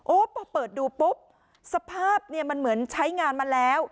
พอเปิดดูปุ๊บสภาพเนี่ยมันเหมือนใช้งานมาแล้ว